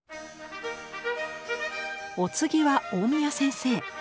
お次は大宮先生。